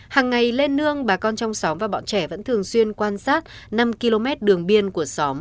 hàng ngày lên nương bà con trong xóm và bọn trẻ vẫn thường xuyên quan sát năm km đường biên của xóm